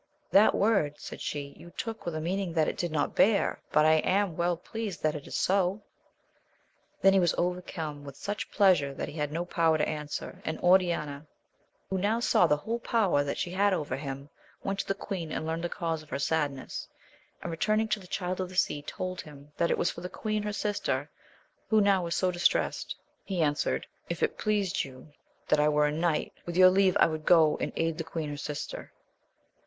That word, said she, you took with a meaniiig that it did not bear, but / am well pleased that it is so. Then was he overcome with such plea sure, that he had no power to answer, and Oriana, who now saw the whole power that she had over him, went to the queen and learnt the cause of her sadness, and, returning to the Child of the Sea, told him, that it was for the queen her sister, who now was so dis tressed. He answered. If it pleased you that I were a knight, with your leave I would go and aid the queen her sister.